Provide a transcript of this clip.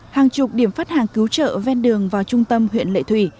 hàng chục điểm phát hàng cứu trợ ven đường vào trung tâm huyện lệ thủy